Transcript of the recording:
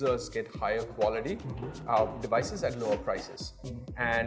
membuat perangkat kualitas yang lebih tinggi dengan harga yang lebih rendah